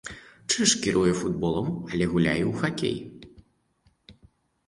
Чыж кіруе футболам, але гуляе і ў хакей.